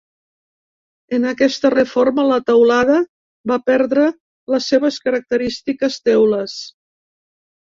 En aquesta reforma la teulada va perdre les seves característiques teules.